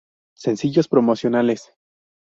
Sencillos promocionales